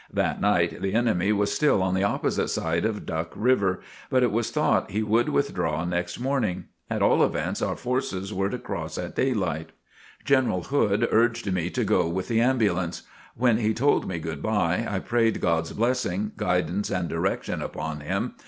That night the enemy was still on the opposite side of Duck River, but it was thought he would withdraw next morning. At all events our forces were to cross at daylight. General Hood urged me to go with the ambulance. When he told me "Good bye," I prayed God's blessing, guidance and direction upon him.